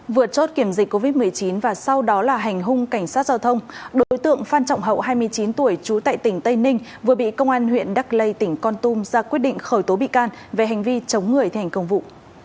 vượt chốt kiểm dịch covid một mươi chín và sau đó là hành hung cảnh sát giao thông đối tượng phan trọng hậu hai mươi chín tuổi trú tại tỉnh tây ninh vừa bị công an huyện đắc lây tỉnh con tum ra quyết định khởi tố bị can về hành vi chống người thi hành công vụ